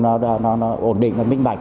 nó ổn định và minh bạch